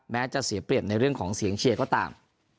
แม้จะเสียเปรียบในเรื่องของเสียงเชียร์ก็ตาม